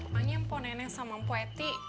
makanya mpok nenek sama mpok etik